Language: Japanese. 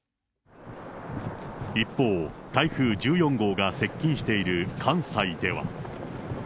一方、台風１４号が接近している関西では。